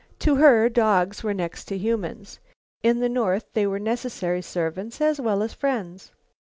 To her dogs were next to humans. In the North they were necessary servants as well as friends.